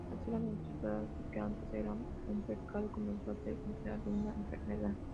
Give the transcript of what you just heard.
Así, la homosexualidad que antes era un pecado, comenzó a ser considerada una enfermedad.